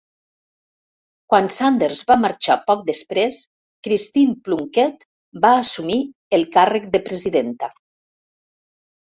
Quan Sanders va marxar poc després, Christine Plunkett va assumir el càrrec de presidenta.